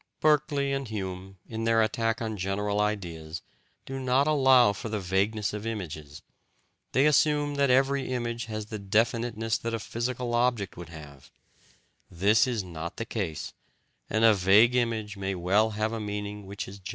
Berkeley and Hume, in their attack on general ideas, do not allow for the vagueness of images: they assume that every image has the definiteness that a physical object would have This is not the case, and a vague image may well have a meaning which is general.